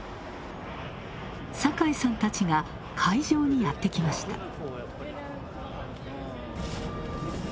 酒井さんたちが会場にやってきました。